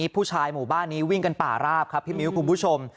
ผู้ชายหมู่บ้านนี้วิ่งกันป่าราบครับพี่มิ้วคุณผู้ชม